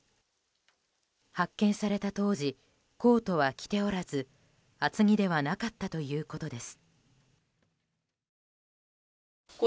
発見された当時コートは着ておらず厚着ではなかったということです。